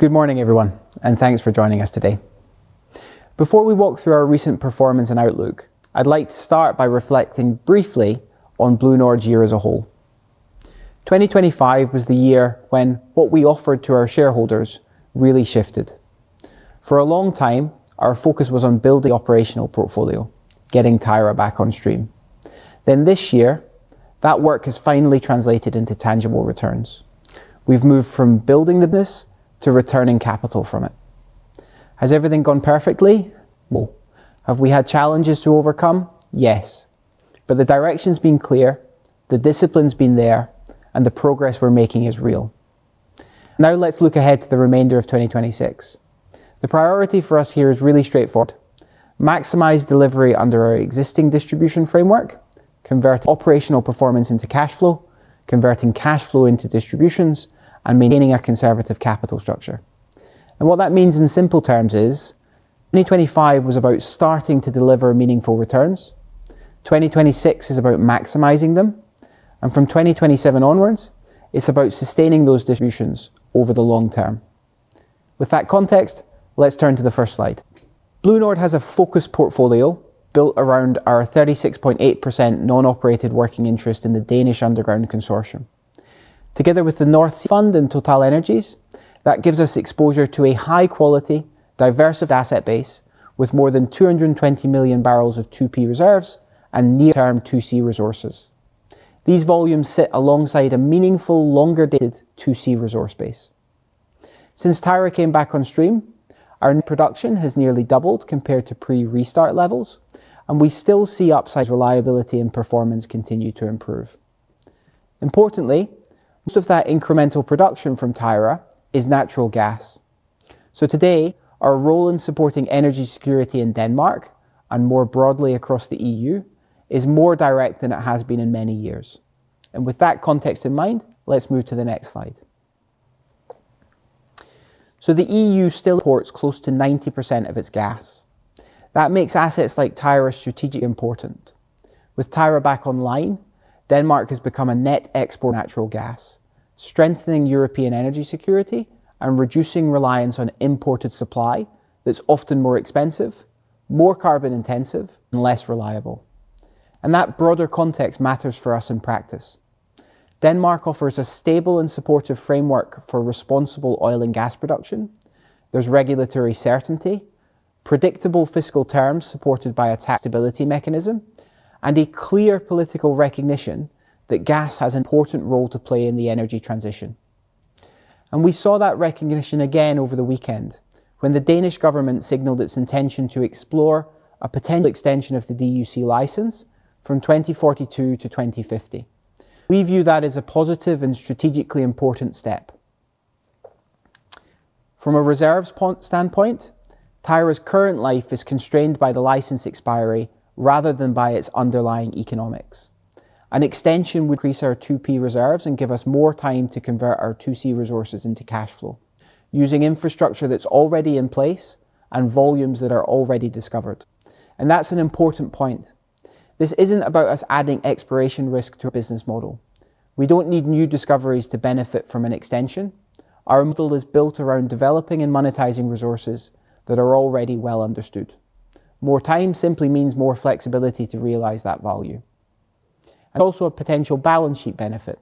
Good morning, everyone. Thanks for joining us today. Before we walk through our recent performance and outlook, I'd like to start by reflecting briefly on BlueNord's year as a whole. Twenty twenty-five was the year when what we offered to our shareholders really shifted. For a long time, our focus was on building operational portfolio, getting Tyra back on stream. This year, that work has finally translated into tangible returns. We've moved from building the business to returning capital from it. Has everything gone perfectly? Well, have we had challenges to overcome? Yes, the direction's been clear, the discipline's been there, and the progress we're making is real. Now, let's look ahead to the remainder of 2026. The priority for us here is really straightforward: maximize delivery under our existing distribution framework, convert operational performance into cash flow, converting cash flow into distributions, and maintaining a conservative capital structure. What that means in simple terms is, 2025 was about starting to deliver meaningful returns, 2026 is about maximizing them, and from 2027 onwards, it's about sustaining those distributions over the long term. With that context, let's turn to the first slide. BlueNord has a focused portfolio built around our 36.8% non-operated working interest in the Danish Underground Consortium. Together with the Nordsøfonden and TotalEnergies, that gives us exposure to a high-quality, diversified asset base with more than 220 million barrels of 2P reserves and near-term 2C resources. These volumes sit alongside a meaningful, longer-dated 2C resource base. Since Tyra came back on stream, our production has nearly doubled compared to pre-restart levels, and we still see upside reliability and performance continue to improve. Importantly, most of that incremental production from Tyra is natural gas. Today, our role in supporting energy security in Denmark, and more broadly across the EU, is more direct than it has been in many years. With that context in mind, let's move to the next slide. The EU still imports close to 90% of its gas. That makes assets like Tyra strategically important. With Tyra back online, Denmark has become a net exporter of natural gas, strengthening European energy security and reducing reliance on imported supply that's often more expensive, more carbon intensive, and less reliable. That broader context matters for us in practice. Denmark offers a stable and supportive framework for responsible oil and gas production. There's regulatory certainty, predictable fiscal terms supported by a tax stability mechanism, and a clear political recognition that gas has an important role to play in the energy transition. We saw that recognition again over the weekend when the Danish government signaled its intention to explore a potential extension of the DUC license from 2042 to 2050. We view that as a positive and strategically important step. From a reserves standpoint, Tyra's current life is constrained by the license expiry rather than by its underlying economics. An extension would increase our 2P reserves and give us more time to convert our 2C resources into cash flow, using infrastructure that's already in place and volumes that are already discovered. That's an important point. This isn't about us adding exploration risk to our business model. We don't need new discoveries to benefit from an extension. Our model is built around developing and monetizing resources that are already well understood. More time simply means more flexibility to realize that value. Also a potential balance sheet benefit.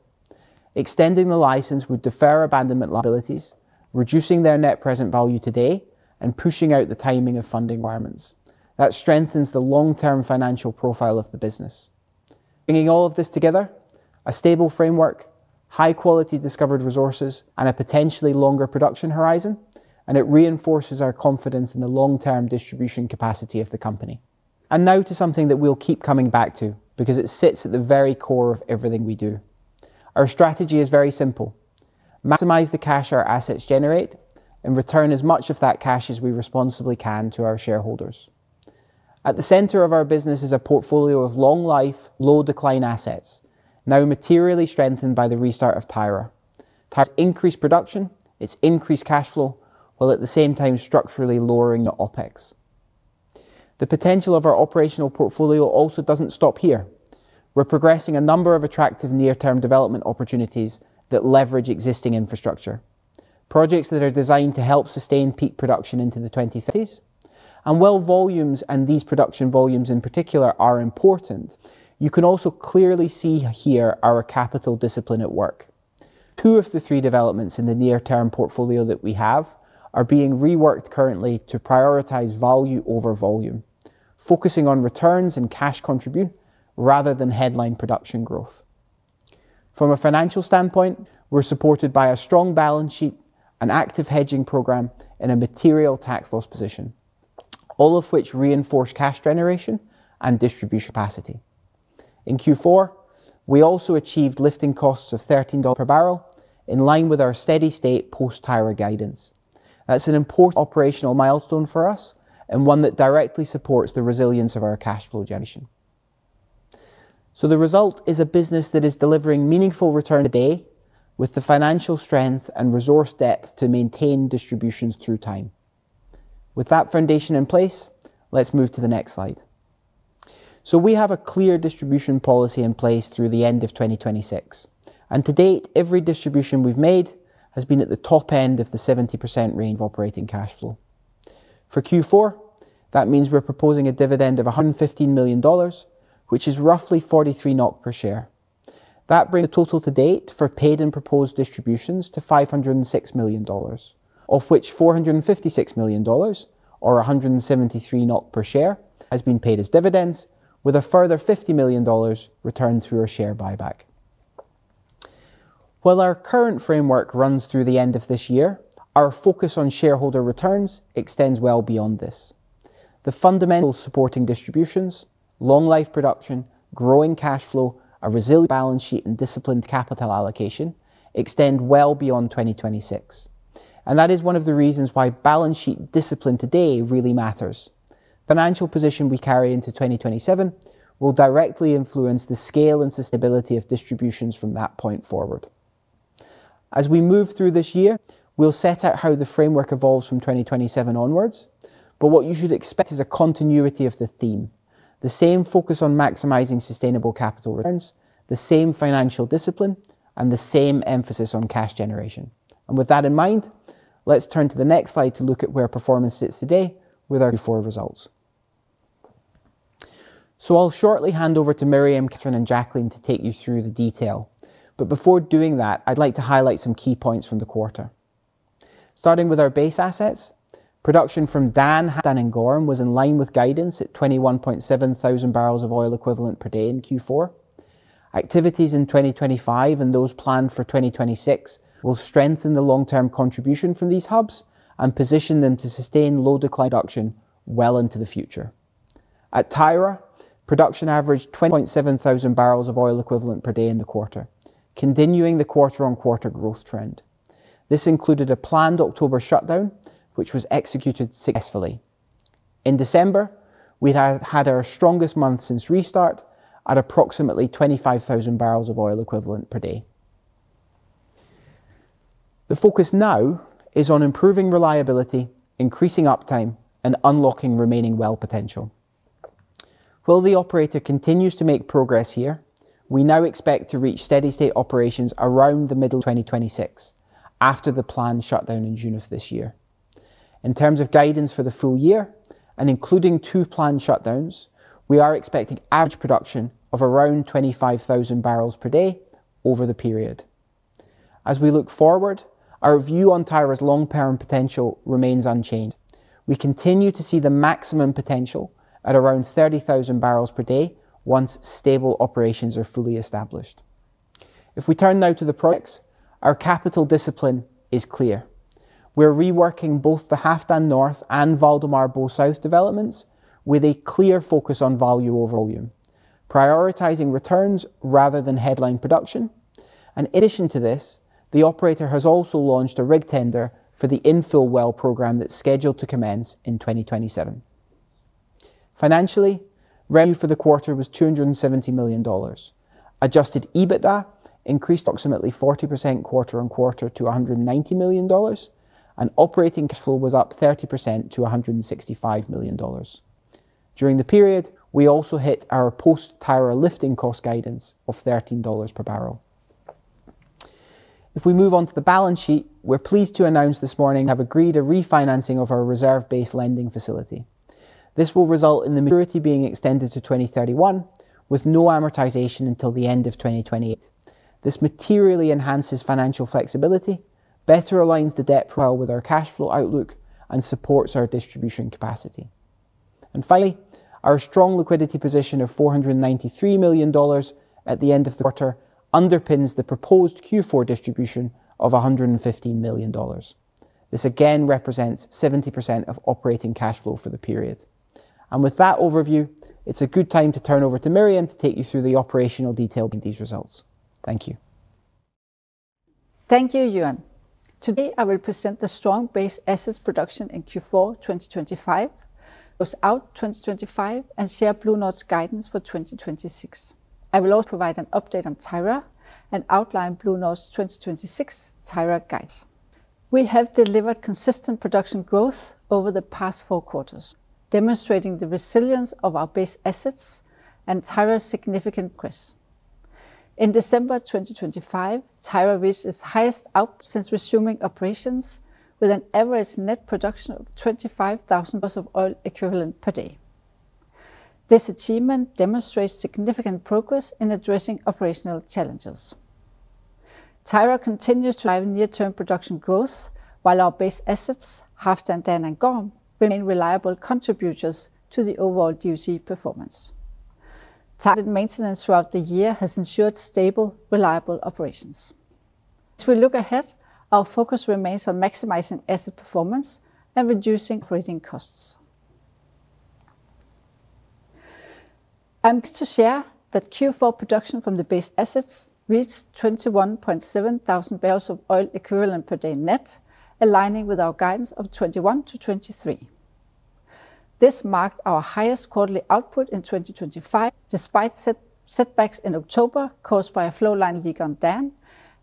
Extending the license would defer abandonment liabilities, reducing their net present value today and pushing out the timing of funding requirements. That strengthens the long-term financial profile of the business. Bringing all of this together, a stable framework, high-quality discovered resources, and a potentially longer production horizon, it reinforces our confidence in the long-term distribution capacity of the company. Now to something that we'll keep coming back to because it sits at the very core of everything we do. Our strategy is very simple: maximize the cash our assets generate and return as much of that cash as we responsibly can to our shareholders. At the center of our business is a portfolio of long-life, low-decline assets, now materially strengthened by the restart of Tyra. Tyra increased production, its increased cash flow, while at the same time structurally lowering the OpEx. The potential of our operational portfolio also doesn't stop here. We're progressing a number of attractive near-term development opportunities that leverage existing infrastructure, projects that are designed to help sustain peak production into the 2030s. While volumes, and these production volumes in particular, are important, you can also clearly see here our capital discipline at work. Two of the three developments in the near-term portfolio that we have are being reworked currently to prioritize value over volume, focusing on returns and cash contribution rather than headline production growth. From a financial standpoint, we're supported by a strong balance sheet, an active hedging program, and a material tax loss position, all of which reinforce cash generation and distribution capacity. In Q4, we also achieved lifting costs of $13 per barrel, in line with our steady-state post-Tyra guidance. That's an important operational milestone for us and one that directly supports the resilience of our cash flow generation. The result is a business that is delivering meaningful return a day with the financial strength and resource depth to maintain distributions through time. With that foundation in place, let's move to the next slide. We have a clear distribution policy in place through the end of 2026, and to date, every distribution we've made has been at the top end of the 70% range of operating cash flow. For Q4, that means we're proposing a dividend of $115 million, which is roughly 43 NOK per share. That brings the total to date for paid and proposed distributions to $506 million, of which $456 million, or 173 per share, has been paid as dividends, with a further $50 million returned through our share buyback. While our current framework runs through the end of this year, our focus on shareholder returns extends well beyond this. The fundamental supporting distributions, long-life production, growing cash flow, a resilient balance sheet, and disciplined capital allocation extend well beyond 2026. That is one of the reasons why balance sheet discipline today really matters. Financial position we carry into 2027 will directly influence the scale and sustainability of distributions from that point forward. As we move through this year, we'll set out how the framework evolves from 2027 onwards, what you should expect is a continuity of the theme. The same focus on maximizing sustainable capital returns, the same financial discipline, and the same emphasis on cash generation. With that in mind, let's turn to the next slide to look at where performance sits today with our Q4 results. I'll shortly hand over to Miriam, Cathrine, and Jacqueline to take you through the detail. Before doing that, I'd like to highlight some key points from the quarter. Starting with our base assets, production from Dan and Gorm was in line with guidance at 21.7mboepd in Q4. Activities in 2025 and those planned for 2026 will strengthen the long-term contribution from these hubs and position them to sustain low decline production well into the future. At Tyra, production averaged 27mboepd in the quarter, continuing the quarter-on-quarter growth trend. This included a planned October shutdown, which was executed successfully. In December, we had our strongest month since restart at approximately 25mboepd. The focus now is on improving reliability, increasing uptime, and unlocking remaining well potential. While the operator continues to make progress here, we now expect to reach steady state operations around the middle of 2026, after the planned shutdown in June of this year. In terms of guidance for the full year and including two planned shutdowns, we are expecting average production of around 25mboepd over the period. As we look forward, our view on Tyra's long-term potential remains unchanged. We continue to see the maximum potential at around 30mboepd once stable operations are fully established. If we turn now to the projects, our capital discipline is clear. We're reworking both the Halfdan North and Valdemar Bo South developments with a clear focus on value over volume, prioritizing returns rather than headline production. In addition to this, the operator has also launched a rig tender for the infill well program that's scheduled to commence in 2027. Financially, revenue for the quarter was $270 million. Adjusted EBITDA increased approximately 40% quarter-on-quarter to $190 million. Operating cash flow was up 30% to $165 million. During the period, we also hit our post-Tyra lifting cost guidance of $13 per barrel. If we move on to the balance sheet, we're pleased to announce this morning we have agreed a refinancing of our reserve-based lending facility. This will result in the maturity being extended to 2031, with no amortization until the end of 2028. This materially enhances financial flexibility, better aligns the debt profile with our cash flow outlook, and supports our distribution capacity. Finally, our strong liquidity position of $493 million at the end of the quarter underpins the proposed Q4 distribution of $115 million. This again represents 70% of operating cash flow for the period. With that overview, it's a good time to turn over to Miriam to take you through the operational detail in these results. Thank you. Thank you, Euan. Today, I will present the strong base assets production in Q4, 2025, throughout 2025, and share BlueNord's guidance for 2026. I will also provide an update on Tyra and outline BlueNord's 2026 Tyra guides. We have delivered consistent production growth over the past four quarters, demonstrating the resilience of our base assets and Tyra's significant progress. In December of 2025, Tyra reached its highest output since resuming operations, with an average net production of 25mboepd. This achievement demonstrates significant progress in addressing operational challenges. Tyra continues to drive near-term production growth, while our base assets, Halfdan, Dan, and Gorm, remain reliable contributors to the overall DUC performance. Targeted maintenance throughout the year has ensured stable, reliable operations. We look ahead, our focus remains on maximizing asset performance and reducing operating costs. I'm pleased to share that Q4 production from the base assets reached 21.7mboepd net, aligning with our guidance of 21 to 23mboepd. This marked our highest quarterly output in 2025, despite setbacks in October caused by a flowline leak on Dan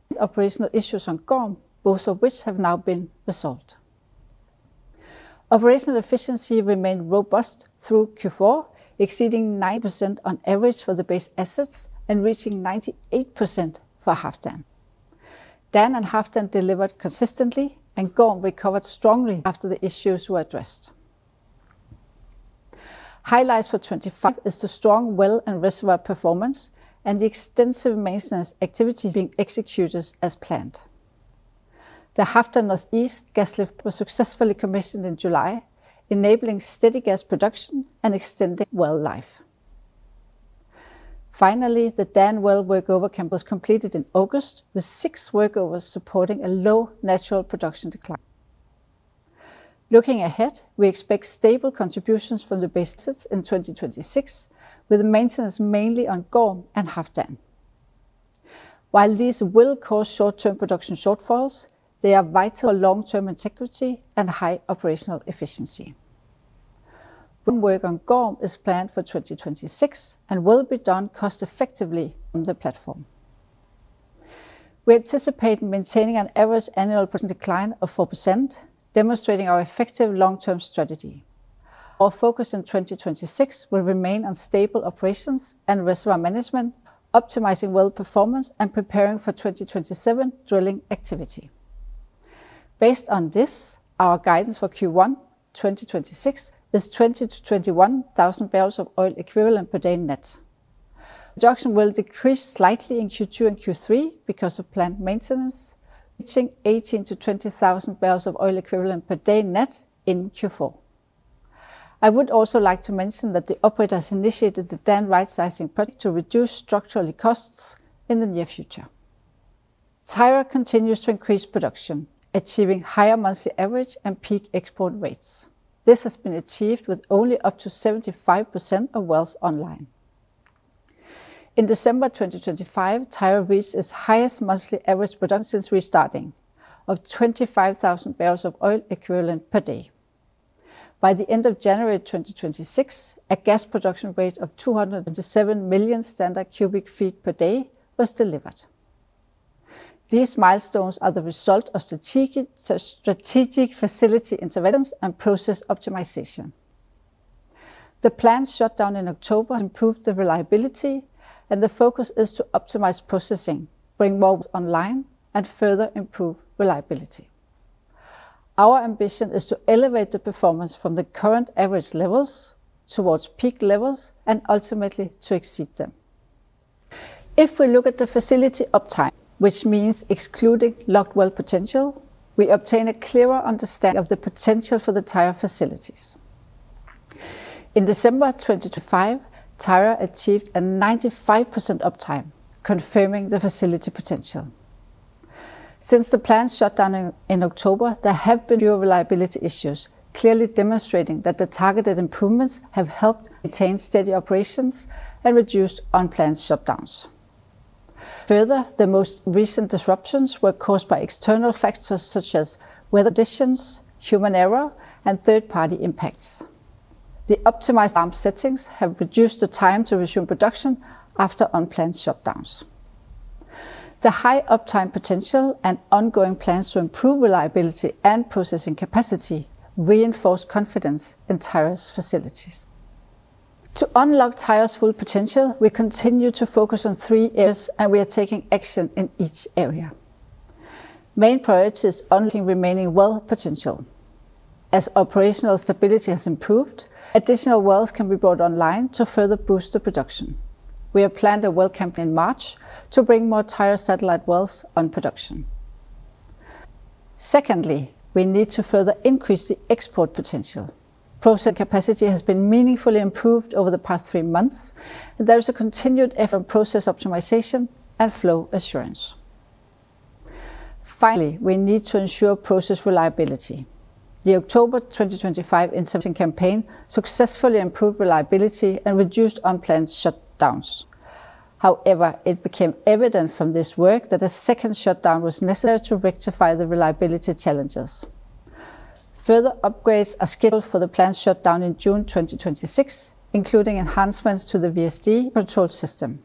and operational issues on Gorm, both of which have now been resolved. Operational efficiency remained robust through Q4, exceeding 9% on average for the base assets, and reaching 98% for Halfdan. Dan and Halfdan delivered consistently, and Gorm recovered strongly after the issues were addressed. Highlights for 2025 is the strong well and reservoir performance, and the extensive maintenance activities being executed as planned. The Halfdan Northeast gas lift was successfully commissioned in July, enabling steady gas production and extending well life. Finally, the Dan well workover camp was completed in August, with six workovers supporting a low natural production decline. Looking ahead, we expect stable contributions from the bases in 2026, with maintenance mainly on Gorm and Halfdan. While these will cause short-term production shortfalls, they are vital for long-term integrity and high operational efficiency. Room work on Gorm is planned for 2026, and will be done cost effectively on the platform. We anticipate maintaining an average annual decline of 4%, demonstrating our effective long-term strategy. Our focus in 2026 will remain on stable operations and reservoir management, optimizing well performance, and preparing for 2027 drilling activity. Based on this, our guidance for Q1, 2026, is 20 to 21mboepd net. Production will decrease slightly in Q2 and Q3 because of plant maintenance, reaching 18 to 20mboepd net in Q4. I would also like to mention that the operator has initiated the Dan rightsizing project to reduce structural costs in the near future. Tyra continues to increase production, achieving higher monthly average and peak export rates. This has been achieved with only up to 75% of wells online. In December 2025, Tyra reached its highest monthly average production since restarting, of 25mboepd. By the end of January 2026, a gas production rate of 277 million standard cu ft per day was delivered. These milestones are the result of strategic facility interventions and process optimization. The plant shut down in October to improve the reliability. The focus is to optimize processing, bring more online, and further improve reliability. Our ambition is to elevate the performance from the current average levels towards peak levels, and ultimately to exceed them. If we look at the facility uptime, which means excluding locked well potential, we obtain a clearer understanding of the potential for the Tyra facilities. In December of 2025, Tyra achieved a 95% uptime, confirming the facility potential. Since the plant shut down in October, there have been fewer reliability issues, clearly demonstrating that the targeted improvements have helped maintain steady operations and reduced unplanned shutdowns. The most recent disruptions were caused by external factors such as weather conditions, human error, and third-party impacts. The optimized arm settings have reduced the time to resume production after unplanned shutdowns. The high uptime potential and ongoing plans to improve reliability and processing capacity reinforce confidence in Tyra's facilities. To unlock Tyra's full potential, we continue to focus on three areas, and we are taking action in each area. Main priority is unlocking remaining well potential. As operational stability has improved, additional wells can be brought online to further boost the production. We have planned a well camp in March to bring more Tyra satellite wells on production. Secondly, we need to further increase the export potential. Process capacity has been meaningfully improved over the past three months, and there is a continued effort in process optimization and flow assurance. Finally, we need to ensure process reliability. The October 2025 intervention campaign successfully improved reliability and reduced unplanned shutdowns. However, it became evident from this work that a second shutdown was necessary to rectify the reliability challenges. Further upgrades are scheduled for the plant shutdown in June 2026, including enhancements to the VSD control system.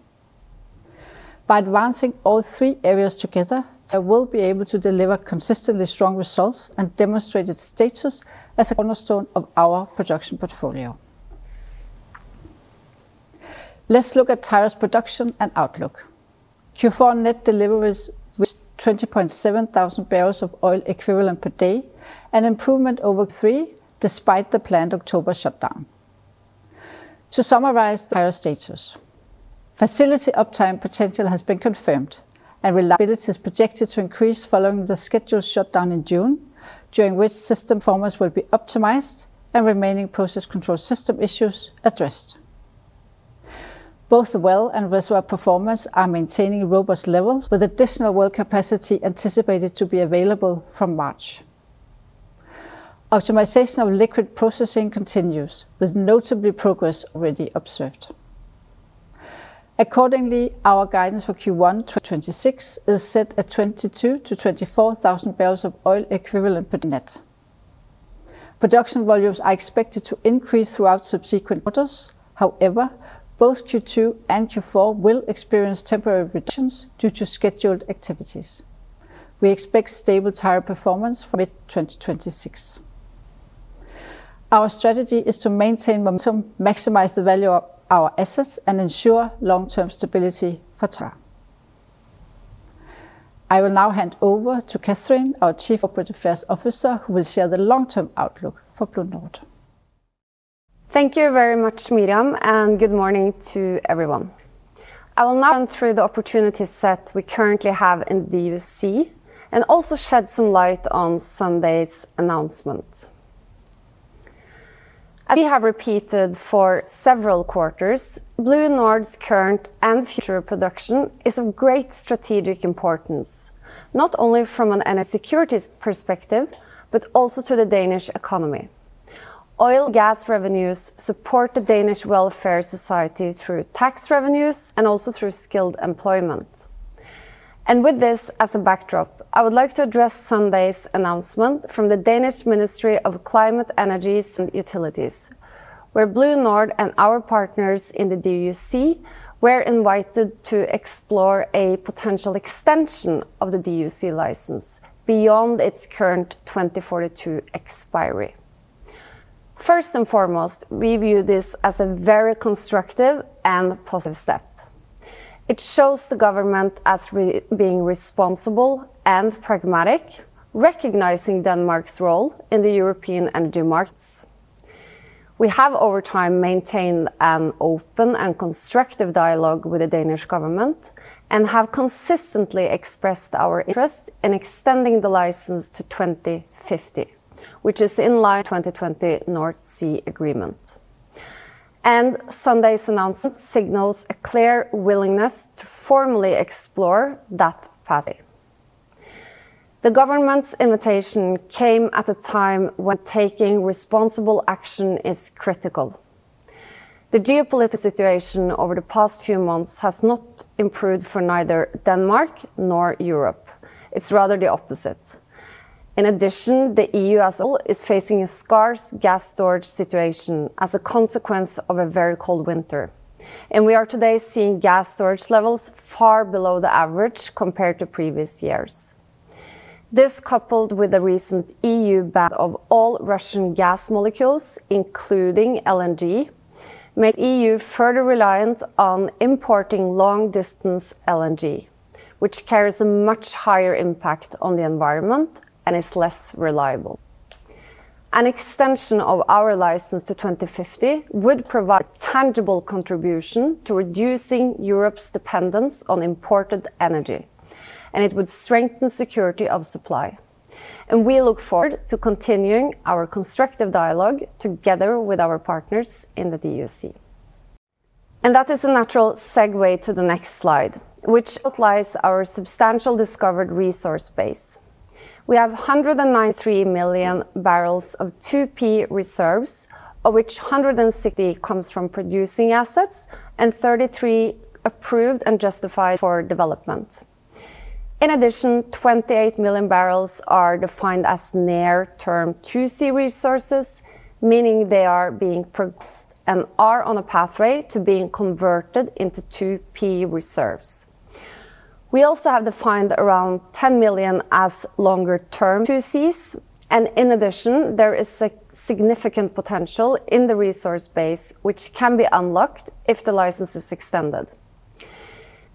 By advancing all three areas together, I will be able to deliver consistently strong results and demonstrate its status as a cornerstone of our production portfolio. Let's look at Tyra's production and outlook. Q4 net deliveries with 20.7mboepd, an improvement over Q3, despite the planned October shutdown. To summarize Tyra status, facility uptime potential has been confirmed, and reliability is projected to increase following the scheduled shutdown in June, during which system performance will be optimized and remaining process control system issues addressed. Both well and reservoir performance are maintaining robust levels, with additional well capacity anticipated to be available from March. Optimization of liquid processing continues, with notably progress already observed. Accordingly, our guidance for Q1 2026 is set at 22,000 to 24,000boe per net. Production volumes are expected to increase throughout subsequent quarters. However, both Q2 and Q4 will experience temporary reductions due to scheduled activities. We expect stable Tyra performance for mid-2026. Our strategy is to maintain momentum, maximize the value of our assets, and ensure long-term stability for Tyra. I will now hand over to Cathrine, our Chief Corporate Affairs Officer, who will share the long-term outlook for BlueNord. Thank you very much, Miriam, and good morning to everyone. I will now run through the opportunity set we currently have in the DUC, and also shed some light on Sunday's announcement. As we have repeated for several quarters, BlueNord's current and future production is of great strategic importance, not only from an energy securities perspective, but also to the Danish economy. Oil and gas revenues support the Danish welfare society through tax revenues and also through skilled employment. With this as a backdrop, I would like to address Sunday's announcement from the Danish Ministry of Climate, Energy and Utilities, where BlueNord and our partners in the DUC were invited to explore a potential extension of the DUC license beyond its current 2042 expiry. First and foremost, we view this as a very constructive and positive step. It shows the government as being responsible and pragmatic, recognizing Denmark's role in the European energy markets. We have, over time, maintained an open and constructive dialogue with the Danish government, and have consistently expressed our interest in extending the license to 2050, which is in line with the 2020 North Sea Agreement. Sunday's announcement signals a clear willingness to formally explore that path. The government's invitation came at a time when taking responsible action is critical. The geopolitical situation over the past few months has not improved for neither Denmark nor Europe. It's rather the opposite. In addition, the EU as a whole is facing a scarce gas storage situation as a consequence of a very cold winter. We are today seeing gas storage levels far below the average compared to previous years. This, coupled with the recent EU ban of all Russian gas molecules, including LNG, makes the EU further reliant on importing long-distance LNG, which carries a much higher impact on the environment and is less reliable. An extension of our license to 2050 would provide tangible contribution to reducing Europe's dependence on imported energy. It would strengthen security of supply. We look forward to continuing our constructive dialogue together with our partners in the DUC. That is a natural segue to the next slide, which outlines our substantial discovered resource base. We have 193 million barrels of 2P reserves, of which 160 million comes from producing assets, and 33 million approved and justified for development. In addition, 28 million barrels are defined as near term 2C resources, meaning they are being produced and are on a pathway to being converted into 2P reserves. We also have defined around 10 million barrels as longer term 2Cs. In addition, there is a significant potential in the resource base, which can be unlocked if the license is extended.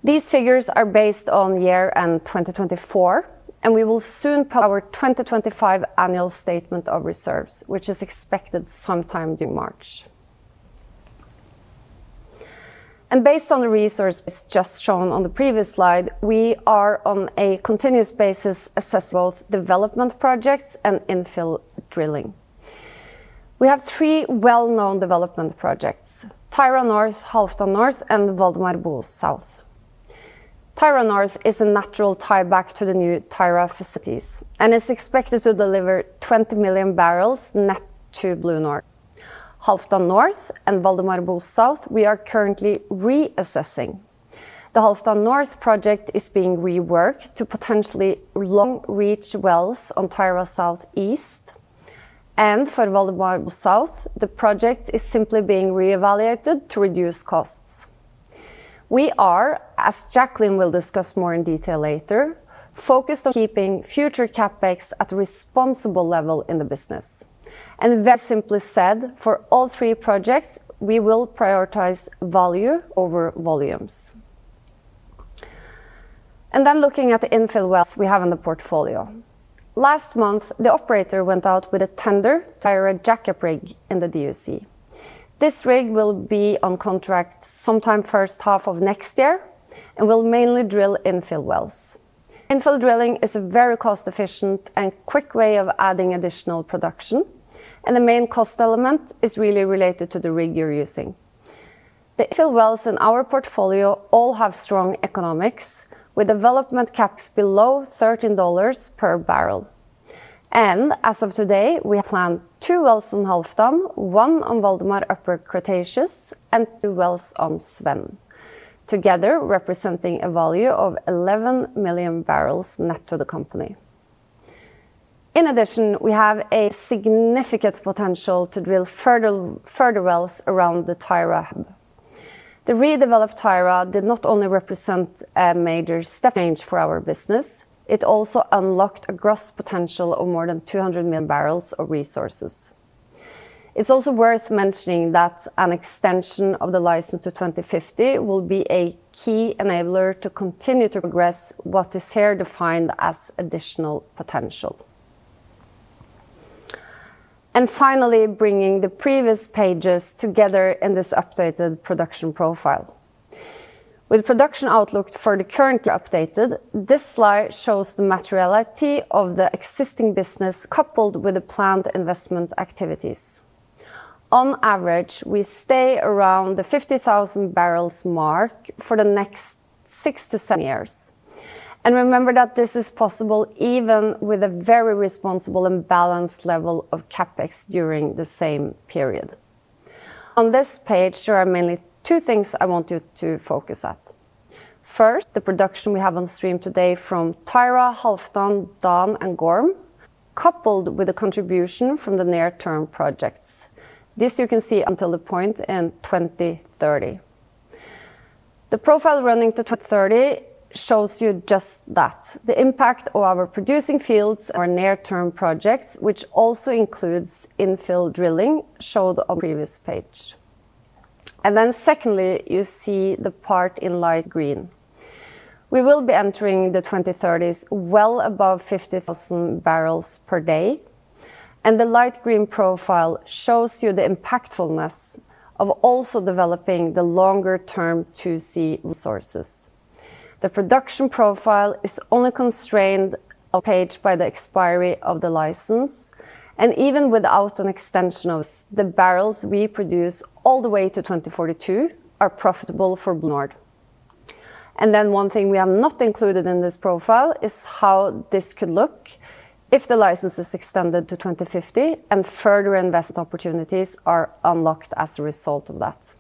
These figures are based on year end 2024. We will soon publish our 2025 annual statement of reserves, which is expected sometime in March. Based on the research that's just shown on the previous slide, we are on a continuous basis assessing both development projects and infill drilling. We have three well-known development projects: Tyra North, Halfdan North, and Valdemar Bo South. Tyra North is a natural tieback to the new Tyra facilities and is expected to deliver 20 million barrels net to BlueNord. Halfdan North and Valdemar Bo South, we are currently reassessing. The Halfdan North project is being reworked to potentially long-reach wells on Tyra South-East, and for Valdemar Bo South, the project is simply being reevaluated to reduce costs. We are, as Jacqueline will discuss more in detail later, focused on keeping future CapEx at a responsible level in the business. Very simply said, for all three projects, we will prioritize value over volumes. Looking at the infill wells we have in the portfolio. Last month, the operator went out with a tender to hire a jackup rig in the DUC. This rig will be on contract sometime first half of next year and will mainly drill infill wells. Infill drilling is a very cost-efficient and quick way of adding additional production, and the main cost element is really related to the rig you're using. The infill wells in our portfolio all have strong economics, with development caps below $13 per barrel. As of today, we have planned two wells on Halfdan, one on Valdemar Upper Cretaceous, and two wells on Sven, together representing a value of 11 million barrels net to the company. In addition, we have a significant potential to drill further wells around the Tyra Hub. The redeveloped Tyra did not only represent a major step change for our business, it also unlocked a gross potential of more than 200 million barrels of resources. It's also worth mentioning that an extension of the license to 2050 will be a key enabler to continue to progress what is here defined as additional potential. Finally, bringing the previous pages together in this updated production profile. With production outlook for the currently updated, this slide shows the materiality of the existing business, coupled with the planned investment activities. On average, we stay around the 50,000 barrels mark for the next six to seven years. Remember that this is possible even with a very responsible and balanced level of CapEx during the same period. On this page, there are mainly two things I want you to focus at. First, the production we have on stream today from Tyra, Halfdan, Dan, and Gorm, coupled with the contribution from the near-term projects. This you can see until the point in 2030. The profile running to 2030 shows you just that, the impact of our producing fields, our near-term projects, which also includes infill drilling, showed on the previous page. Secondly, you see the part in light green. We will be entering the 2030s well above 50,000 barrels per day. The light green profile shows you the impactfulness of also developing the longer-term 2C resources. The production profile is only constrained on page by the expiry of the license. Even without an extension of the barrels we produce all the way to 2042 are profitable for BlueNord. One thing we have not included in this profile is how this could look if the license is extended to 2050, and further investment opportunities are unlocked as a result of that.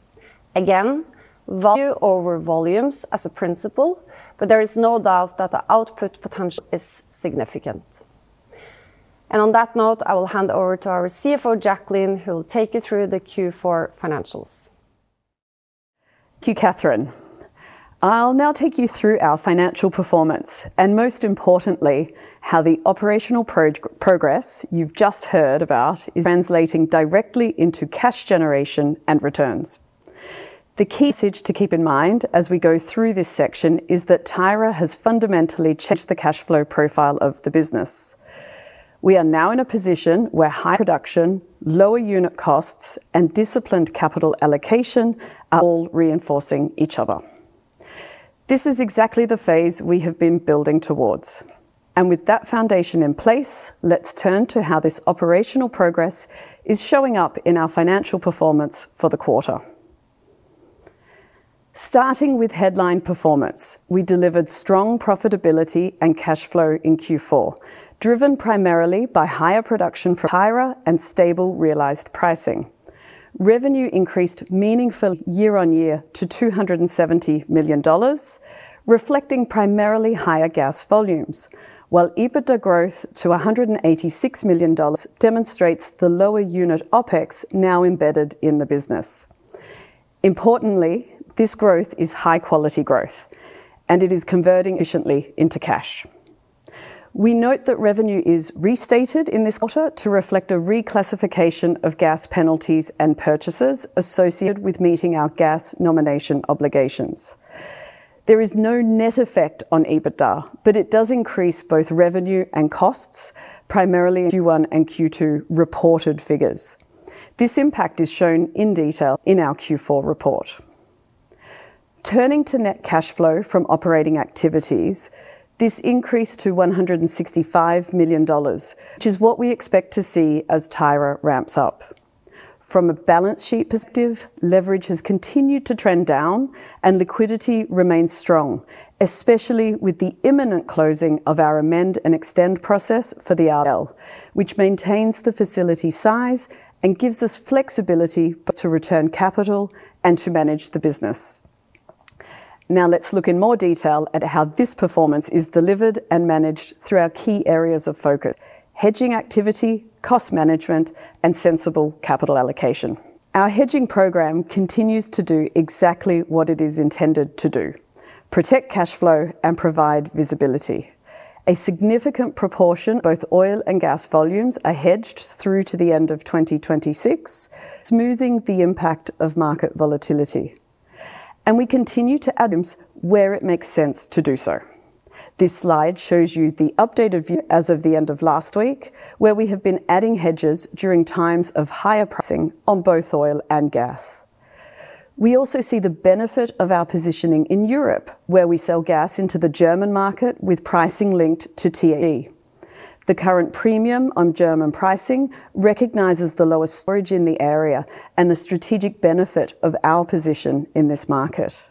Again, value over volumes as a principle, but there is no doubt that the output potential is significant. On that note, I will hand over to our CFO, Jacqueline, who will take you through the Q4 financials. Thank you, Cathrine. I'll now take you through our financial performance, and most importantly, how the operational progress you've just heard about is translating directly into cash generation and returns. The key message to keep in mind as we go through this section is that Tyra has fundamentally changed the cash flow profile of the business. We are now in a position where high production, lower unit costs, and disciplined capital allocation are all reinforcing each other. This is exactly the phase we have been building towards. And with that foundation in place, let's turn to how this operational progress is showing up in our financial performance for the quarter. Starting with headline performance, we delivered strong profitability and cash flow in Q4, driven primarily by higher production for Tyra and stable realized pricing. Revenue increased meaningfully year-on-year to $270 million, reflecting primarily higher gas volumes, while EBITDA growth to $186 million demonstrates the lower unit OpEx now embedded in the business. Importantly, this growth is high-quality growth, it is converting efficiently into cash. We note that revenue is restated in this quarter to reflect a reclassification of gas penalties and purchases associated with meeting our gas nomination obligations. There is no net effect on EBITDA, it does increase both revenue and costs, primarily in Q1 and Q2 reported figures. This impact is shown in detail in our Q4 report. Turning to net cash flow from operating activities, this increased to $165 million, which is what we expect to see as Tyra ramps up. From a balance sheet perspective, leverage has continued to trend down, and liquidity remains strong, especially with the imminent closing of our amend and extend process for the RBL, which maintains the facility size and gives us flexibility to return capital and to manage the business. Now, let's look in more detail at how this performance is delivered and managed through our key areas of focus: hedging activity, cost management, and sensible capital allocation. Our hedging program continues to do exactly what it is intended to do, protect cash flow and provide visibility. A significant proportion, both oil and gas volumes, are hedged through to the end of 2026, smoothing the impact of market volatility. We continue to add where it makes sense to do so. This slide shows you the updated view as of the end of last week, where we have been adding hedges during times of higher pricing on both oil and gas. We also see the benefit of our positioning in Europe, where we sell gas into the German market with pricing linked to THE. The current premium on German pricing recognizes the lowest storage in the area and the strategic benefit of our position in this market.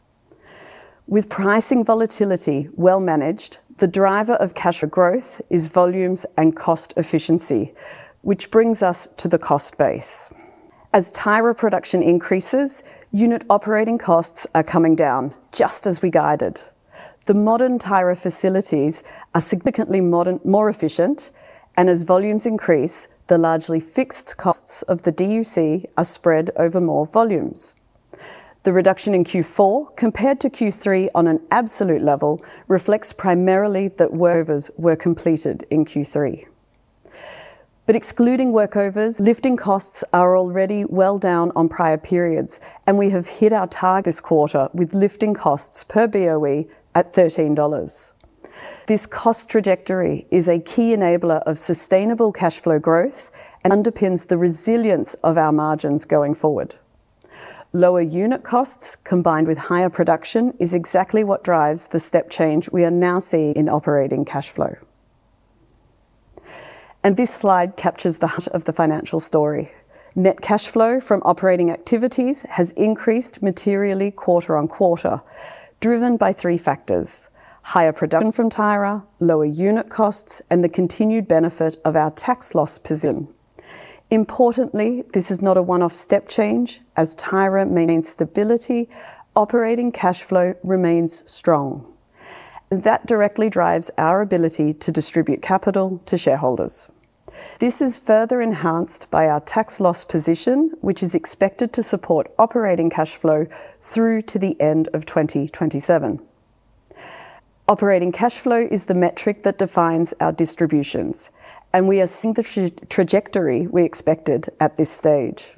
With pricing volatility well managed, the driver of cash growth is volumes and cost efficiency, which brings us to the cost base. As Tyra production increases, unit operating costs are coming down, just as we guided. The modern Tyra facilities are significantly modern- more efficient, and as volumes increase, the largely fixed costs of the DUC are spread over more volumes. The reduction in Q4 compared to Q3 on an absolute level, reflects primarily that workovers were completed in Q3. Excluding workovers, lifting costs are already well down on prior periods, and we have hit our target this quarter with lifting costs per boe at $13. This cost trajectory is a key enabler of sustainable cash flow growth and underpins the resilience of our margins going forward. Lower unit costs, combined with higher production, is exactly what drives the step change we are now seeing in operating cash flow. This slide captures the heart of the financial story. Net cash flow from operating activities has increased materially quarter-on-quarter, driven by three factors: higher production from Tyra, lower unit costs, and the continued benefit of our tax loss position. Importantly, this is not a one-off step change. As Tyra maintains stability, operating cash flow remains strong. That directly drives our ability to distribute capital to shareholders. This is further enhanced by our tax loss position, which is expected to support operating cash flow through to the end of 2027. Operating cash flow is the metric that defines our distributions, and we are seeing the trajectory we expected at this stage.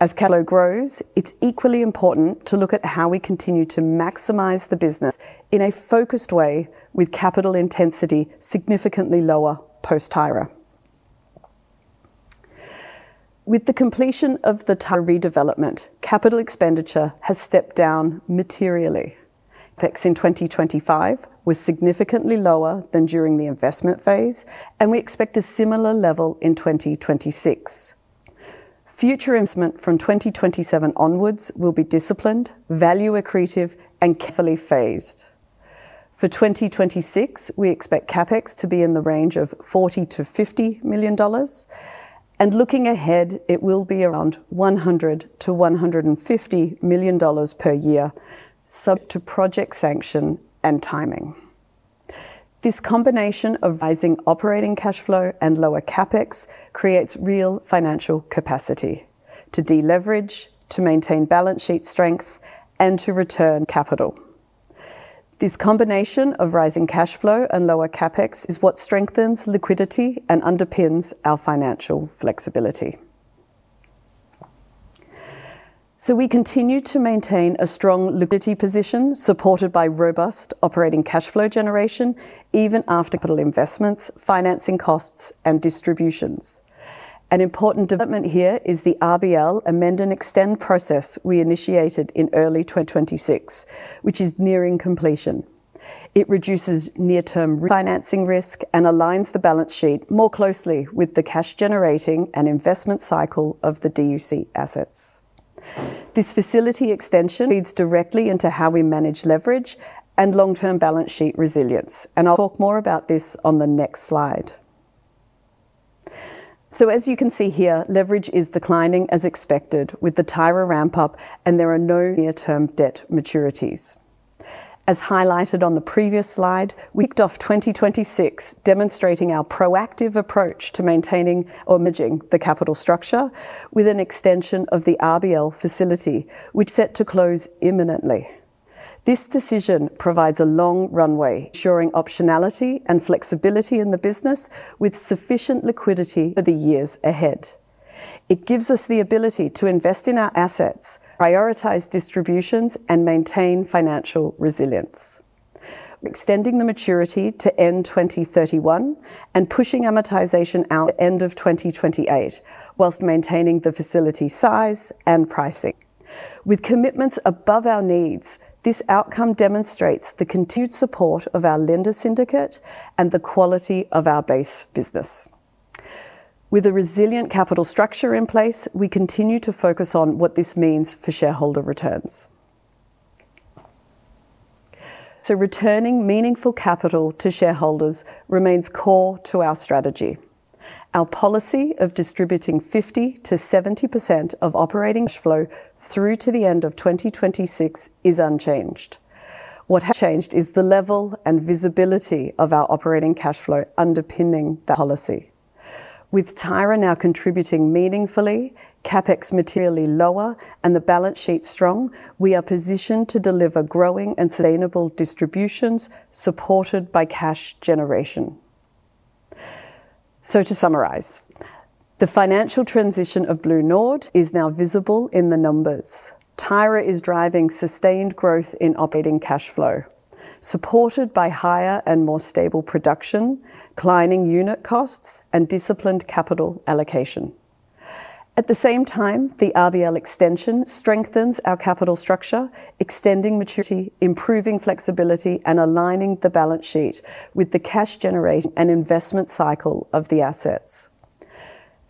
As cash flow grows, it's equally important to look at how we continue to maximize the business in a focused way, with capital intensity significantly lower post-Tyra. With the completion of the Tyra redevelopment, capital expenditure has stepped down materially. CapEx in 2025 was significantly lower than during the investment phase, and we expect a similar level in 2026. Future investment from 2027 onwards will be disciplined, value accretive, and carefully phased. For 2026, we expect CapEx to be in the range of $40 to 50 million, and looking ahead, it will be around $100 to 150 million per year, subject to project sanction and timing. This combination of rising operating cash flow and lower CapEx creates real financial capacity to deleverage, to maintain balance sheet strength, and to return capital. This combination of rising cash flow and lower CapEx is what strengthens liquidity and underpins our financial flexibility. We continue to maintain a strong liquidity position, supported by robust operating cash flow generation, even after capital investments, financing costs, and distributions. An important development here is the RBL amend and extend process we initiated in early 2026, which is nearing completion. It reduces near-term refinancing risk and aligns the balance sheet more closely with the cash generating and investment cycle of the DUC assets. This facility extension leads directly into how we manage leverage and long-term balance sheet resilience. I'll talk more about this on the next slide. As you can see here, leverage is declining as expected with the Tyra ramp-up. There are no near-term debt maturities. As highlighted on the previous slide, we kicked off 2026, demonstrating our proactive approach to maintaining or managing the capital structure with an extension of the RBL facility, which is set to close imminently. This decision provides a long runway, ensuring optionality and flexibility in the business with sufficient liquidity for the years ahead. It gives us the ability to invest in our assets, prioritize distributions, and maintain financial resilience. We're extending the maturity to end 2031 and pushing amortization out end of 2028, while maintaining the facility size and pricing. With commitments above our needs, this outcome demonstrates the continued support of our lender syndicate and the quality of our base business. Returning meaningful capital to shareholders remains core to our strategy. Our policy of distributing 50% to 70% of operating cash flow through to the end of 2026 is unchanged. What has changed is the level and visibility of our operating cash flow underpinning the policy. With Tyra now contributing meaningfully, CapEx materially lower, and the balance sheet strong, we are positioned to deliver growing and sustainable distributions supported by cash generation. To summarize, the financial transition of BlueNord is now visible in the numbers. Tyra is driving sustained growth in operating cash flow, supported by higher and more stable production, declining unit costs, and disciplined capital allocation. At the same time, the RBL extension strengthens our capital structure, extending maturity, improving flexibility, and aligning the balance sheet with the cash generation and investment cycle of the assets.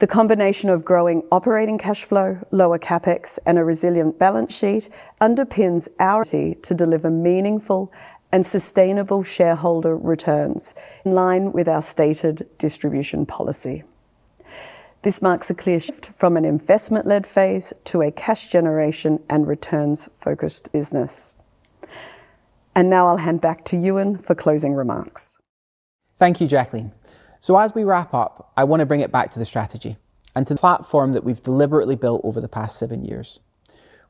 The combination of growing operating cash flow, lower CapEx, and a resilient balance sheet underpins our ability to deliver meaningful and sustainable shareholder returns in line with our stated distribution policy. This marks a clear shift from an investment-led phase to a cash generation and returns-focused business. Now I'll hand back to Euan for closing remarks. Thank you, Jacqueline. As we wrap up, I want to bring it back to the strategy and to the platform that we've deliberately built over the past seven years.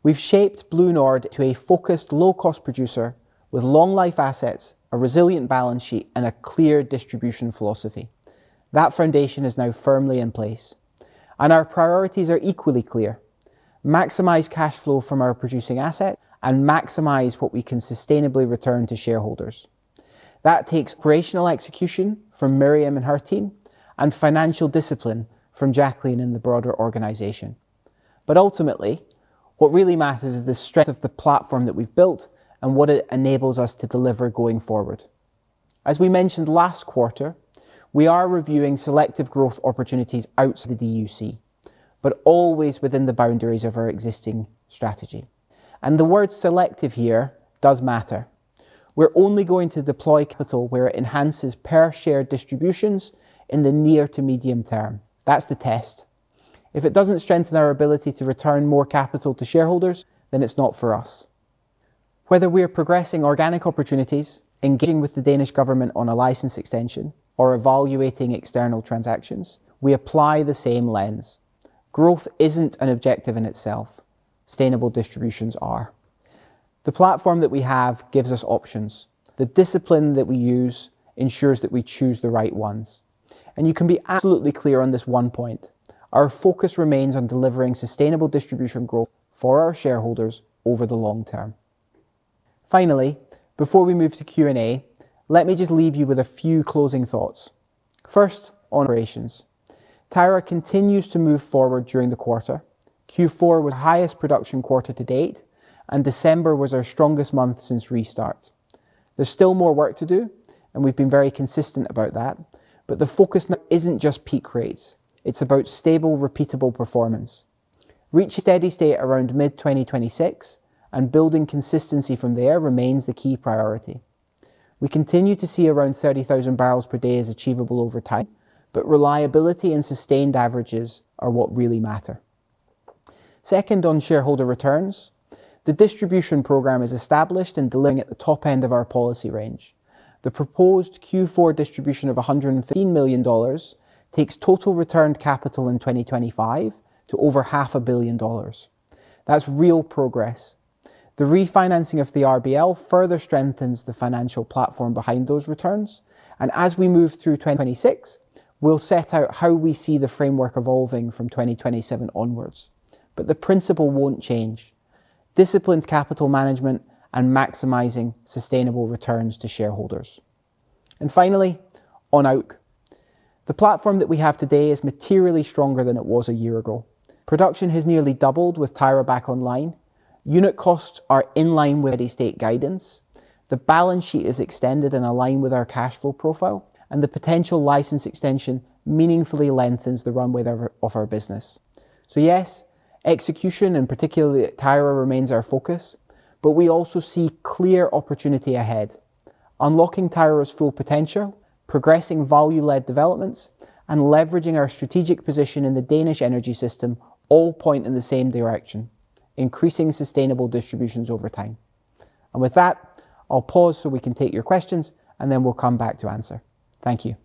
We've shaped BlueNord into a focused, low-cost producer with long life assets, a resilient balance sheet, and a clear distribution philosophy. That foundation is now firmly in place, and our priorities are equally clear: maximize cash flow from our producing assets and maximize what we can sustainably return to shareholders. That takes operational execution from Miriam and her team, and financial discipline from Jacqueline and the broader organization. Ultimately, what really matters is the strength of the platform that we've built and what it enables us to deliver going forward. As we mentioned last quarter, we are reviewing selective growth opportunities outside the DUC, but always within the boundaries of our existing strategy. The word "selective" here does matter. We're only going to deploy capital where it enhances per share distributions in the near to medium term. That's the test. If it doesn't strengthen our ability to return more capital to shareholders, then it's not for us. Whether we are progressing organic opportunities, engaging with the Danish government on a license extension, or evaluating external transactions, we apply the same lens. Growth isn't an objective in itself, sustainable distributions are. The platform that we have gives us options. The discipline that we use ensures that we choose the right ones, and you can be absolutely clear on this one point. Our focus remains on delivering sustainable distribution growth for our shareholders over the long term. Before we move to Q&A, let me just leave you with a few closing thoughts. First, on operations. Tyra continues to move forward during the quarter. Q4 was our highest production quarter-to-date, and December was our strongest month since restart. There's still more work to do, and we've been very consistent about that, but the focus now isn't just peak rates, it's about stable, repeatable performance. Reaching steady state around mid-2026 and building consistency from there remains the key priority. We continue to see around 30,000 barrels per day as achievable over time, but reliability and sustained averages are what really matter. Second, on shareholder returns. The distribution program is established and delivering at the top end of our policy range. The proposed Q4 distribution of $115 million takes total returned capital in 2025 to over half a billion dollars. That's real progress. The refinancing of the RBL further strengthens the financial platform behind those returns. As we move through 2026, we'll set out how we see the framework evolving from 2027 onwards. The principle won't change: disciplined capital management and maximizing sustainable returns to shareholders. Finally, on DUC. The platform that we have today is materially stronger than it was a year ago. Production has nearly doubled with Tyra back online. Unit costs are in line with steady-state guidance. The balance sheet is extended and aligned with our cash flow profile. The potential license extension meaningfully lengthens the runway of our business. Yes, execution, and particularly at Tyra, remains our focus, but we also see clear opportunity ahead. Unlocking Tyra's full potential, progressing value-led developments, and leveraging our strategic position in the Danish energy system all point in the same direction: increasing sustainable distributions over time. With that, I'll pause so we can take your questions, and then we'll come back to answer. Thank you.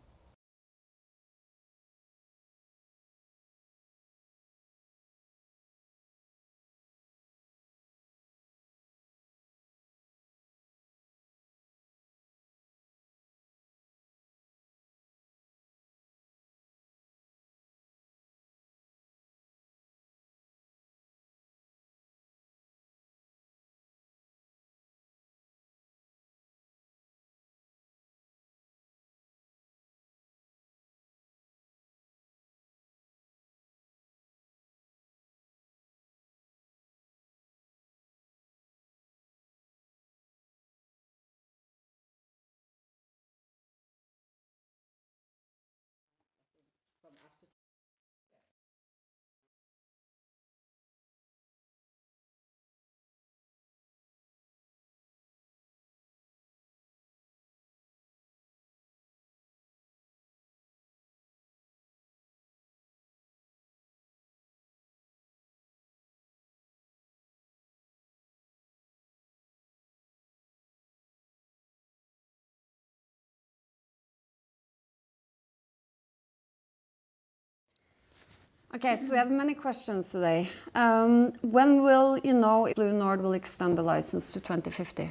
Okay, we have many questions today. When will you know if BlueNord will extend the license to 2050?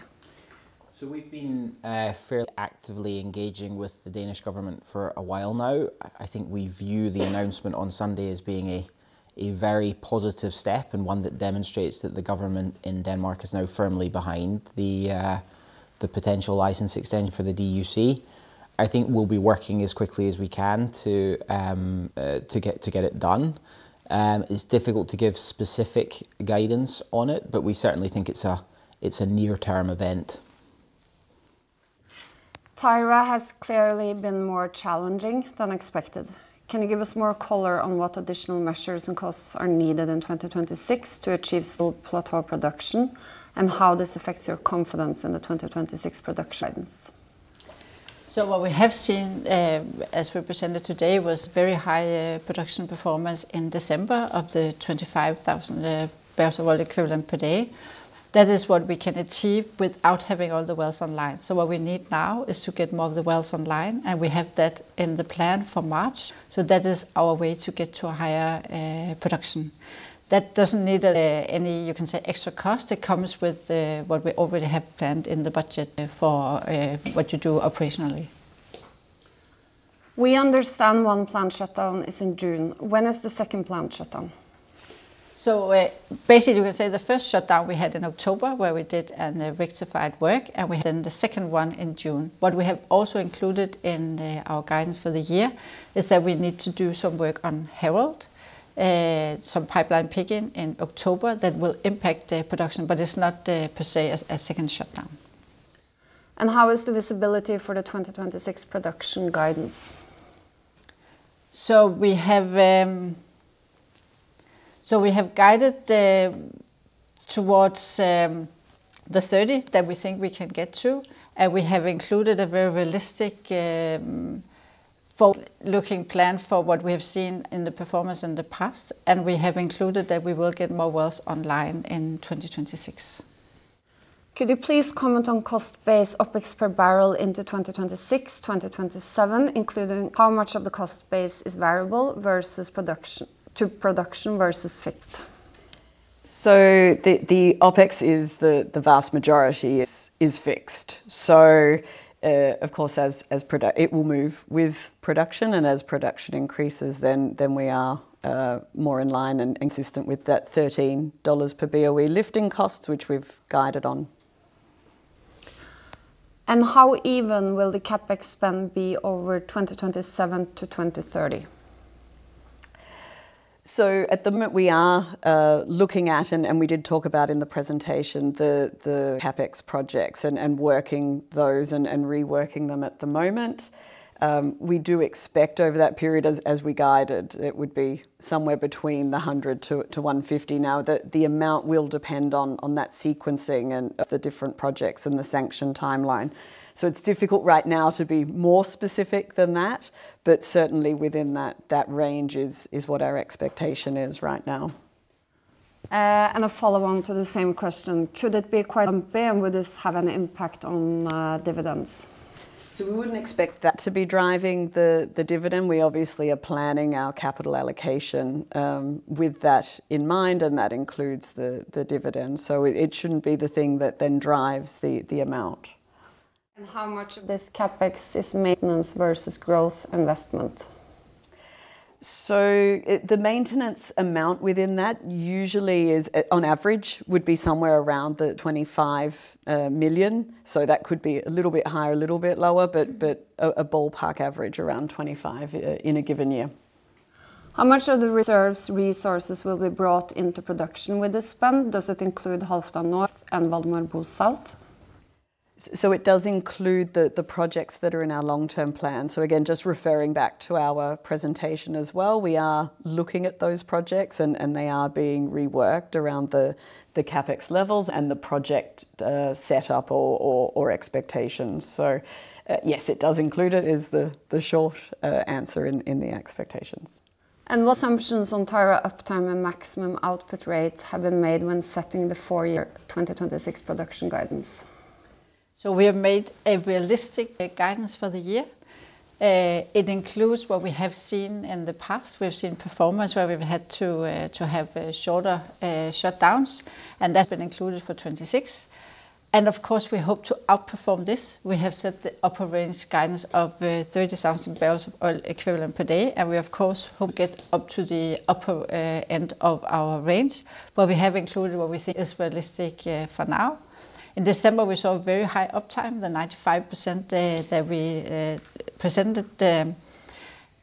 We've been fairly actively engaging with the Danish government for a while now. I think we view the announcement on Sunday as being a very positive step, and one that demonstrates that the government in Denmark is now firmly behind the potential license extension for the DUC. I think we'll be working as quickly as we can to get it done. It's difficult to give specific guidance on it, but we certainly think it's a near-term event. Tyra has clearly been more challenging than expected. Can you give us more color on what additional measures and costs are needed in 2026 to achieve stable plateau production, and how this affects your confidence in the 2026 production guidance? What we have seen, as we presented today, was very high production performance in December of the 25mboepd. That is what we can achieve without having all the wells online. What we need now is to get more of the wells online, and we have that in the plan for March. That is our way to get to a higher production. That doesn't need any, you can say, extra cost. It comes with what we already have planned in the budget for what you do operationally. We understand one plant shutdown is in June. When is the second plant shutdown? Basically you can say the first shutdown we had in October, where we did a rectified work, and we had then the second one in June. What we have also included in our guidance for the year is that we need to do some work on Herald, some pipeline pigging in October that will impact the production, but it's not per se a second shutdown. How is the visibility for the 2026 production guidance? We have guided towards the 2030 that we think we can get to, and we have included a very realistic, forward-looking plan for what we have seen in the performance in the past, and we have included that we will get more wells online in 2026. Could you please comment on cost base OpEx per barrel into 2026, 2027, including how much of the cost base is variable versus production, to production versus fixed? The OpEx is, the vast majority is fixed. Of course, as production it will move with production, and as production increases, then we are more in line and consistent with that $13 per boe lifting costs, which we've guided on. How even will the CapEx spend be over 2027 to 2030? At the moment, we are looking at, and we did talk about in the presentation, the CapEx projects, and working those and reworking them at the moment. We do expect over that period, as we guided, it would be somewhere between the $100 to 150 million. The amount will depend on that sequencing of the different projects and the sanction timeline. It's difficult right now to be more specific than that, but certainly within that range is what our expectation is right now. A follow-on to the same question: Could it be quite [a bear], and would this have an impact on dividends? We wouldn't expect that to be driving the dividend. We obviously are planning our capital allocation, with that in mind, and that includes the dividend. It shouldn't be the thing that then drives the amount. How much of this CapEx is maintenance versus growth investment? The maintenance amount within that usually is, on average, would be somewhere around the $25 million. That could be a little bit higher, a little bit lower, but a ballpark average around $25 in a given year. How much of the reserves' resources will be brought into production with the spend? Does it include Halfdan North and Valdemar Bo South? It does include the projects that are in our long-term plan. Again, just referring back to our presentation as well, we are looking at those projects, and they are being reworked around the CapEx levels and the project set up or expectations. Yes, it does include it, is the short answer in the expectations. What assumptions on tower uptime and maximum output rates have been made when setting the fyear 2026 production guidance? we have made a realistic guidance for the year. It includes what we have seen in the past. We've seen performance where we've had to have shorter shutdowns, and that's been included for 2026, and of course, we hope to outperform this. We have set the upper range guidance of 30mboepd, and we, of course, hope to get up to the upper end of our range. we have included what we think is realistic for now. In December, we saw a very high uptime, the 95% that we presented,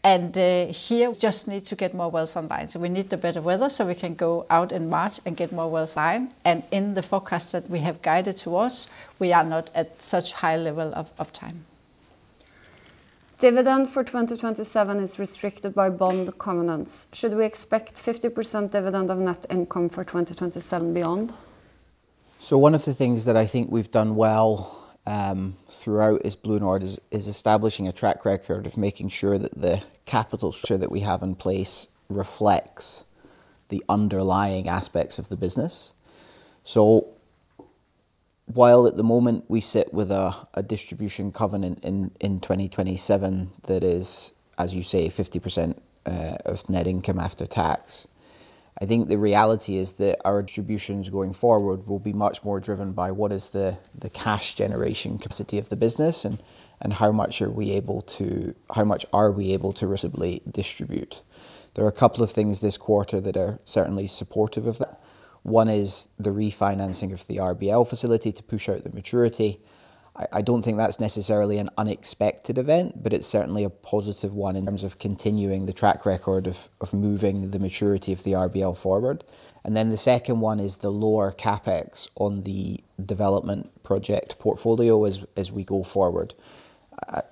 and here we just need to get more wells online. We need the better weather, so we can go out in March and get more wells online, and in the forecast that we have guided towards, we are not at such high level of uptime. Dividend for 2027 is restricted by bond covenants. Should we expect 50% dividend of net income for 2027 beyond? One of the things that I think we've done well, throughout this BlueNord is establishing a track record of making sure that the capital structure that we have in place reflects the underlying aspects of the business. While at the moment we sit with a distribution covenant in 2027, that is, as you say, 50% of net income after tax, I think the reality is that our distributions going forward will be much more driven by what is the cash generation capacity of the business, and how much are we able to reasonably distribute? There are a couple of things this quarter that are certainly supportive of that. One is the refinancing of the RBL facility to push out the maturity. I don't think that's necessarily an unexpected event, but it's certainly a positive one in terms of continuing the track record of moving the maturity of the RBL forward. The second one is the lower CapEx on the development project portfolio as we go forward.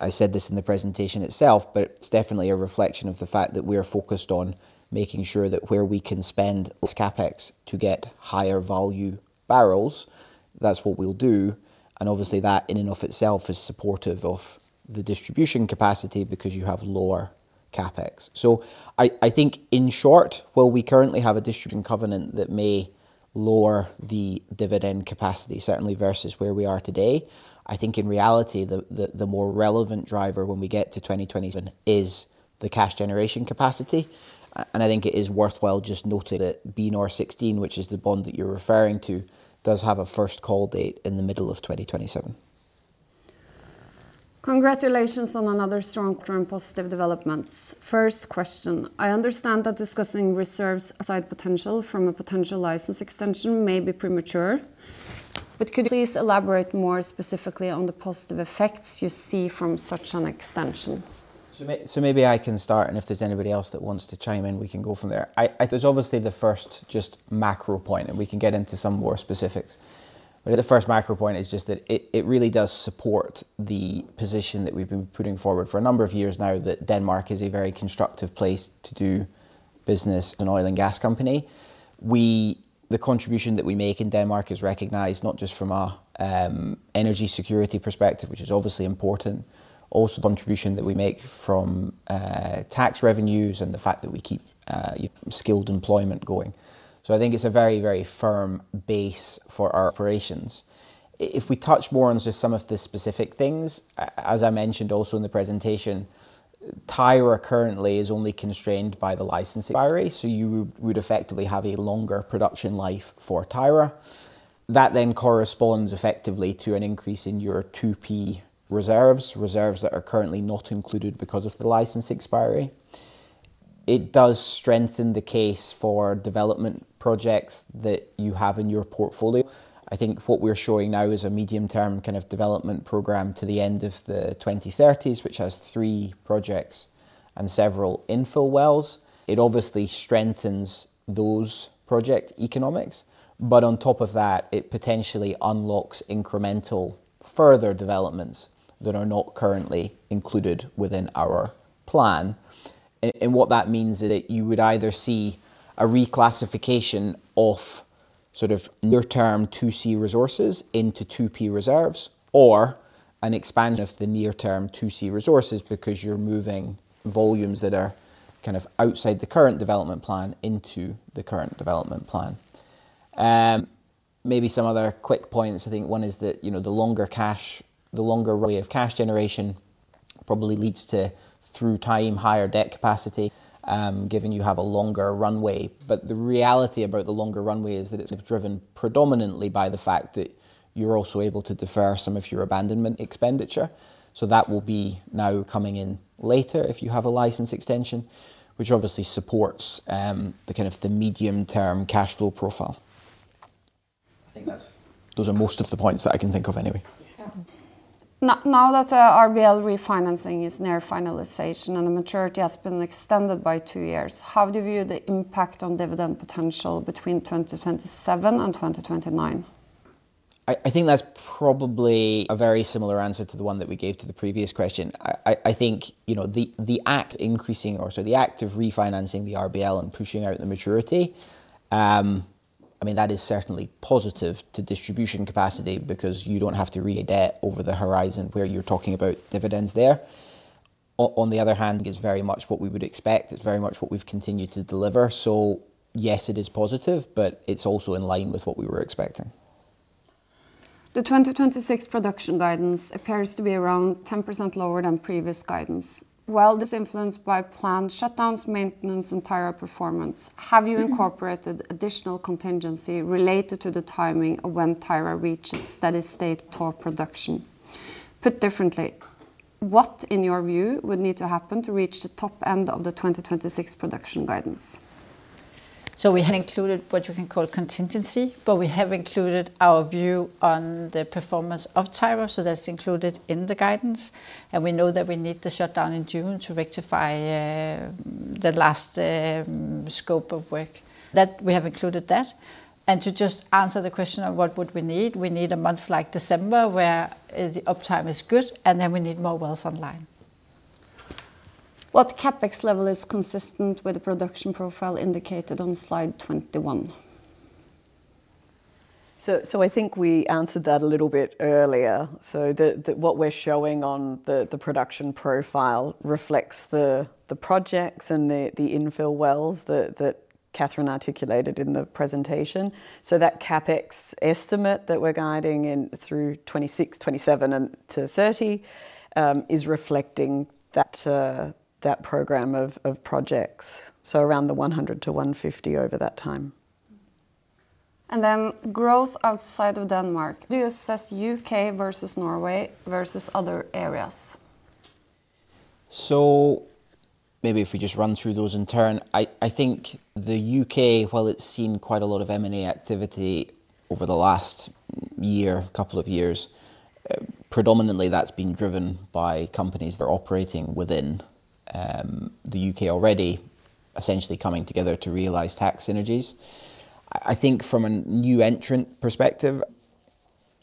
I said this in the presentation itself, it's definitely a reflection of the fact that we are focused on making sure that where we can spend this CapEx to get higher-value barrels. That's what we'll do, and obviously that, in and of itself, is supportive of the distribution capacity because you have lower CapEx. I think, in short, while we currently have a distribution covenant that may lower the dividend capacity, certainly versus where we are today, I think in reality, the more relevant driver when we get to 2027 is the cash generation capacity. I think it is worthwhile just noting that BNOR16, which is the bond that you're referring to, does have a First Call Date in the middle of 2027. Congratulations on another strong quarter and positive developments. First question: I understand that discussing reserves outside potential from a potential license extension may be premature, but could you please elaborate more specifically on the positive effects you see from such an extension? Maybe I can start, and if there's anybody else that wants to chime in, we can go from there. I, there's obviously the first just macro point, and we can get into some more specifics. The first macro point is just that it really does support the position that we've been putting forward for a number of years now, that Denmark is a very constructive place to do business, an oil and gas company. The contribution that we make in Denmark is recognized, not just from an energy security perspective, which is obviously important, also the contribution that we make from tax revenues and the fact that we keep skilled employment going. I think it's a very, very firm base for our operations. If we touch more on just some of the specific things, as I mentioned also in the presentation, Tyra currently is only constrained by the license expiry. You would effectively have a longer production life for Tyra. That corresponds effectively to an increase in your 2P reserves that are currently not included because of the license expiry. It does strengthen the case for development projects that you have in your portfolio. I think what we're showing now is a medium-term kind of development program to the end of the 2030s, which has three projects and several infill wells. It obviously strengthens those project economics. On top of that, it potentially unlocks incremental further developments that are not currently included within our plan. What that means is that you would either see a reclassification of sort of near-term 2C resources into 2P reserves, or an expansion of the near-term 2C resources, because you're moving volumes that are kind of outside the current development plan into the current development plan. Maybe some other quick points. I think one is that, you know, the longer cash, the longer really of cash generation probably leads to, through time, higher debt capacity, given you have a longer runway. The reality about the longer runway is that it's driven predominantly by the fact that you're also able to defer some of your abandonment expenditure. That will be now coming in later if you have a license extension, which obviously supports the kind of the medium-term cash flow profile. I think those are most of the points that I can think of anyway. Yeah. Now that RBL refinancing is near finalization and the maturity has been extended by two years, how do you view the impact on dividend potential between 2027 and 2029? I think that's probably a very similar answer to the one that we gave to the previous question. I think, you know, the act of refinancing the RBL and pushing out the maturity, I mean, that is certainly positive to distribution capacity because you don't have to re-debt over the horizon where you're talking about dividends there. On the other hand, is very much what we would expect. It's very much what we've continued to deliver. Yes, it is positive, but it's also in line with what we were expecting. The 2026 production guidance appears to be around 10% lower than previous guidance. While this is influenced by planned shutdowns, maintenance, and Tyra performance, have you incorporated additional contingency related to the timing of when Tyra reaches steady-state top production? Put differently, what, in your view, would need to happen to reach the top end of the 2026 production guidance? We had included what you can call contingency, but we have included our view on the performance of Tyra, so that's included in the guidance, and we know that we need the shutdown in June to rectify the last scope of work. That, we have included that, and to just answer the question of what would we need, we need a month like December, where the uptime is good, and then we need more wells online. What CapEx level is consistent with the production profile indicated on slide 21? I think we answered that a little bit earlier. What we're showing on the production profile reflects the projects and the infill wells that Cathrine articulated in the presentation. That CapEx estimate that we're guiding in through 2026, 2027, and to 2030, is reflecting that program of projects, so around the $100 to 150 million over that time. Growth outside of Denmark. Do you assess UK versus Norway versus other areas? Maybe if we just run through those in turn. I think the UK, while it's seen quite a lot of M&A activity over the last year, couple of years, predominantly that's been driven by companies that are operating within the UK already, essentially coming together to realize tax synergies. I think from a new entrant perspective,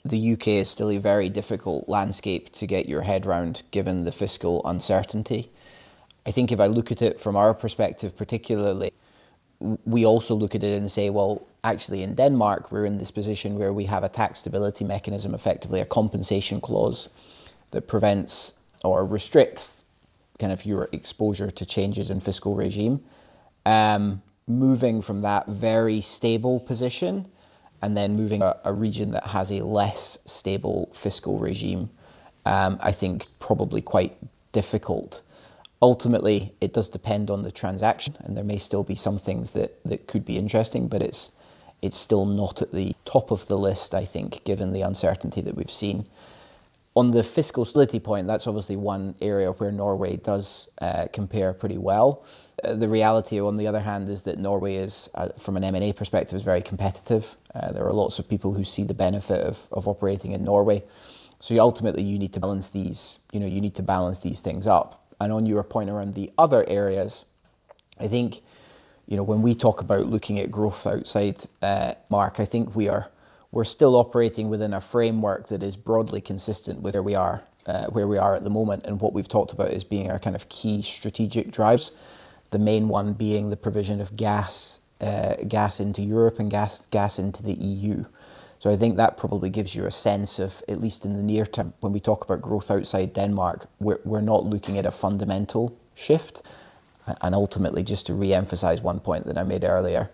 the UK is still a very difficult landscape to get your head around, given the fiscal uncertainty. I think if I look at it from our perspective, particularly. We also look at it and say, "Well, actually, in Denmark, we're in this position where we have a tax stability mechanism, effectively a compensation clause, that prevents or restricts kind of your exposure to changes in fiscal regime." Moving from that very stable position and then moving a region that has a less stable fiscal regime, I think probably quite difficult. Ultimately, it does depend on the transaction, and there may still be some things that could be interesting, but it's still not at the top of the list, I think, given the uncertainty that we've seen. On the fiscal stability point, that's obviously one area where Norway does compare pretty well. The reality, on the other hand, is that Norway is from an M&A perspective, is very competitive. There are lots of people who see the benefit of operating in Norway. You ultimately you need to balance these. You know, you need to balance these things up. On your point around the other areas, I think, you know, when we talk about looking at growth outside Denmark, I think we're still operating within a framework that is broadly consistent, whether we are, where we are at the moment, and what we've talked about as being our kind of key strategic drives. The main one being the provision of gas into Europe and gas into the EU. I think that probably gives you a sense of, at least in the near term, when we talk about growth outside Denmark, we're not looking at a fundamental shift. Ultimately, just to re-emphasize one point that I made earlier,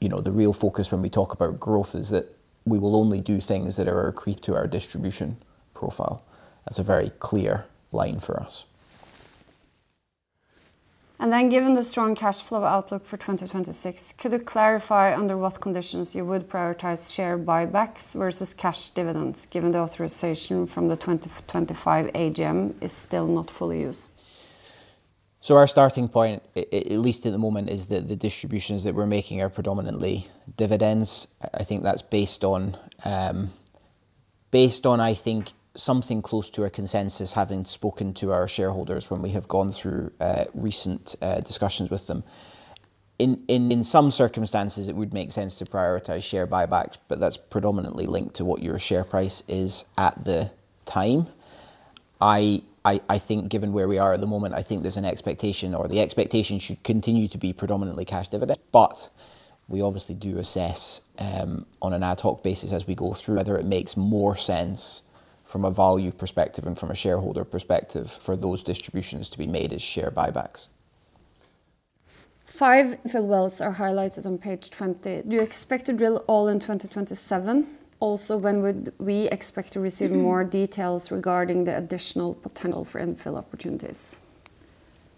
you know, the real focus when we talk about growth is that we will only do things that are accrete to our distribution profile. That's a very clear line for us. Given the strong cash flow outlook for 2026, could you clarify under what conditions you would prioritize share buybacks versus cash dividends, given the authorization from the 2025 AGM is still not fully used? Our starting point, at least at the moment, is that the distributions that we're making are predominantly dividends. I think that's based on, based on, I think, something close to a consensus, having spoken to our shareholders when we have gone through, recent, discussions with them. In some circumstances, it would make sense to prioritize share buybacks, but that's predominantly linked to what your share price is at the time. I think given where we are at the moment, I think there's an expectation or the expectation should continue to be predominantly cash dividend. We obviously do assess, on an ad hoc basis as we go through, whether it makes more sense from a value perspective and from a shareholder perspective, for those distributions to be made as share buybacks. Five infill wells are highlighted on page 20. Do you expect to drill all in 2027? Also, when would we expect to receive more details regarding the additional potential for infill opportunities?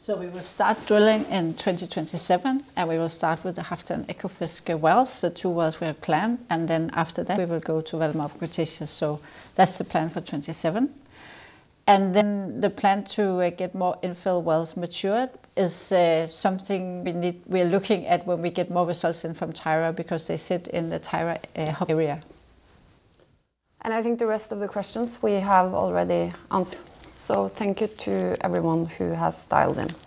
We will start drilling in 2027, and we will start with the Halfdan Ekofisk wells, the two wells we have planned, and then after that, we will go to Valdemar Cretaceous. That's the plan for 2027. The plan to get more infill wells matured is something we're looking at when we get more results in from Tyra, because they sit in the Tyra area. I think the rest of the questions we have already answered. Thank you to everyone who has dialed in.